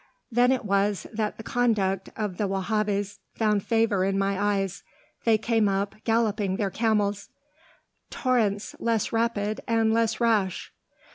Then it was that the conduct of the Wahhabis found favor in my eyes. They came up, galloping their camels, "Torrents less rapid and less rash.